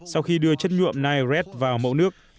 sau khi đưa chất nhuộm nile red vào mẫu nước